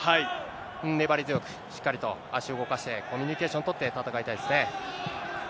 粘り強く、しっかりと足動かして、コミュニケーション取って戦いたいですね。